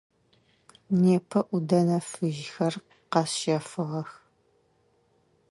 Непэ ӏудэнэ фыжьхэр къэсщэфыгъэх.